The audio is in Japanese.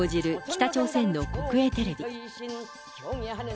北朝鮮の国営テレビ。